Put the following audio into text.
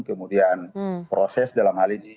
kemudian proses dalam hal ini